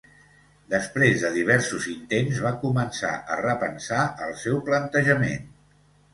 Després de diversos intents, va començar a repensar el seu plantejament.